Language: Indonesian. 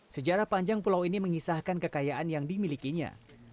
sejarah panjang pulau ini mengisahkan kekayaan yang dimilikinya